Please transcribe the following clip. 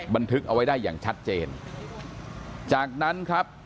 บันทึกเอาไว้ได้อย่างชัดเจนจากนั้นครับ